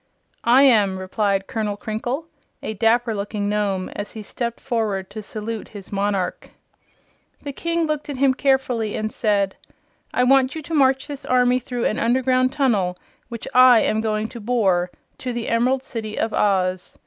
"I am," replied Colonel Crinkle, a dapper looking Nome, as he stepped forward to salute his monarch. The King looked at him carefully and said: "I want you to march this army through an underground tunnel, which I am going to bore, to the Emerald City of Oz.